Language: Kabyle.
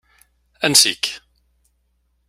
Ansi-k.